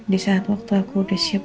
di saat waktu aku udah siap